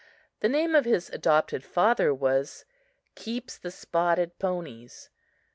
The name of his adopted father was "Keeps the Spotted Ponies."